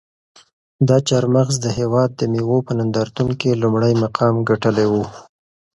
دا چهارمغز د هېواد د مېوو په نندارتون کې لومړی مقام ګټلی و.